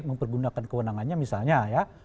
memecat bahkan kewenangannya misalnya